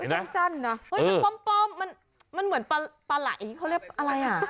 สั้นนะมันป้อมมันเหมือนปลาไหล่เขาเรียกอะไรอ่ะ